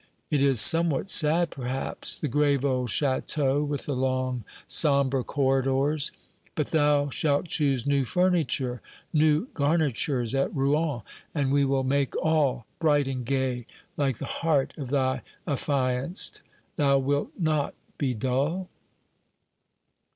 It is somewhat sad, perhaps the grave old château with the long sombre corridors. But thou shalt choose new furniture, new garnitures at Rouen, and we will make all bright and gay, like the heart of thy affianced. Thou wilt not be dull?"